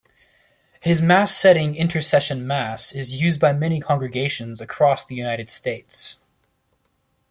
His mass setting "Intercession Mass" is used by many congregations across the United States.